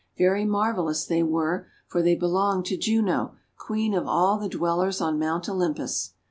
Very marvellous they were, for they belonged to Juno, Queen of all the Dwellers on Mount Olympus.